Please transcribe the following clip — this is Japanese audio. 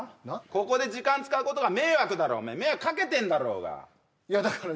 ここで時間使うことが迷惑だろおめえ迷惑かけてんだろうがいやだから